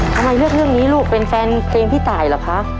ทำไมเลือกเรื่องนี้ลูกเป็นแฟนเพลงพี่ตายเหรอคะ